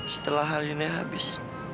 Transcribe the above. setelah hari ini habis